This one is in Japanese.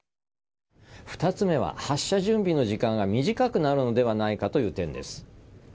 ２つ目は、発射準備の時間が短くなるのではないかという点です。